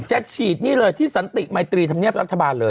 จะฉีดนี่เลยที่สันติมัยตรีธรรมเนียบรัฐบาลเลย